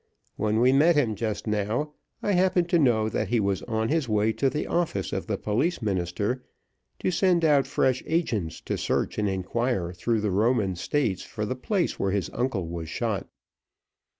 When we met him just now, I happen to know that he was on his way to the office of the police minister, to send out fresh agents to search and inquire through the Roman States for the place where his uncle was shot.